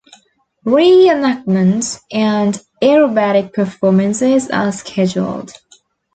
Re-enactments and aerobatic performances are scheduled.